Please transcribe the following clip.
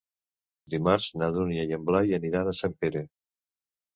Dimarts na Dúnia i en Blai aniran a Sempere.